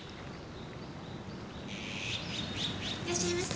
いらっしゃいませ。